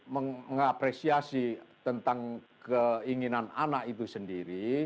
mengapresiasi tentang keinginan anak itu sendiri